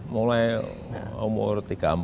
mulai umur tiga puluh empat tiga puluh lima tiga puluh enam